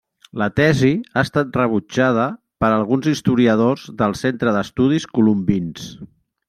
La tesi ha estat rebutjada per alguns historiadors del Centre d'Estudis Colombins.